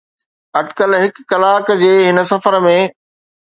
اٽڪل هڪ ڪلاڪ جي هن سفر ۾